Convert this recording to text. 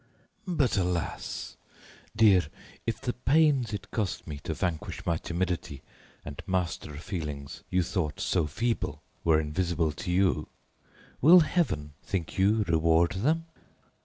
But, alas! dear, if the pains it cost me to vanquish my timidity and master feelings you thought so feeble were invisible to you, will Heaven, think you, reward them?